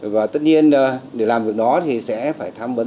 và tất nhiên để làm việc đó thì sẽ phải tham vấn